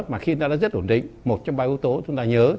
mà khi ta đã rất ổn định một trong ba yếu tố chúng ta nhớ